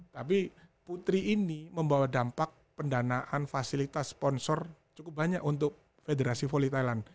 tapi putri ini membawa dampak pendanaan fasilitas sponsor cukup banyak untuk federasi voli thailand